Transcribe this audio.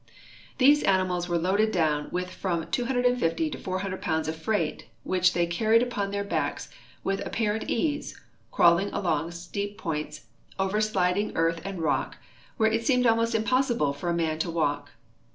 These animals Avere loaded down Avith from 250 to 400 pounds of freight, which they carried upon their backs Avith apparent ease, craAvling around steep points, OA^er sliding earth and rock, Avhere it seemed almost imjjossible for a man to walk.